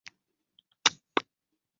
后担任解放军总后勤部副部长。